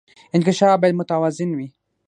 انکشاف باید متوازن وي